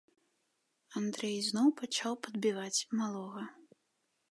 Андрэй зноў пачаў падбіваць малога.